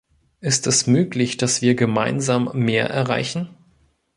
Ist es möglich, dass wir gemeinsam mehr erreichen?